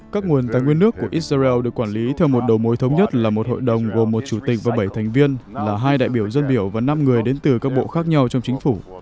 các nguồn tài nguyên nước của israel được quản lý theo một đầu mối thống nhất là một hội đồng gồm một chủ tịch và bảy thành viên là hai đại biểu dân biểu và năm người đến từ các bộ khác nhau trong chính phủ